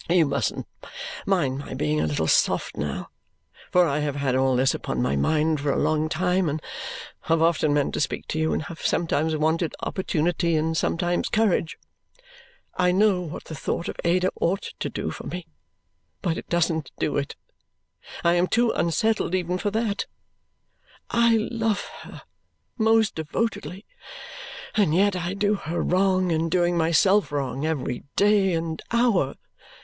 You mustn't mind my being a little soft now, for I have had all this upon my mind for a long time, and have often meant to speak to you, and have sometimes wanted opportunity and sometimes courage. I know what the thought of Ada ought to do for me, but it doesn't do it. I am too unsettled even for that. I love her most devotedly, and yet I do her wrong, in doing myself wrong, every day and hour.